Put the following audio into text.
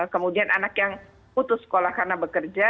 kemudian anak yang putus sekolah karena bekerja